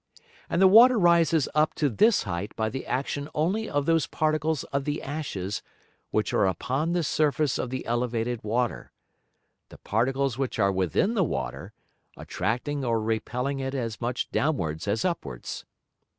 And the Water rises up to this height by the Action only of those Particles of the Ashes which are upon the Surface of the elevated Water; the Particles which are within the Water, attracting or repelling it as much downwards as upwards.